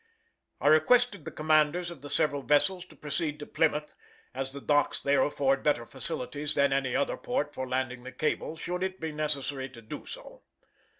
I requested the commanders of the several vessels to proceed to Plymouth, as the docks there afford better facilities than any other port for landing the cable should it be necessary to do so.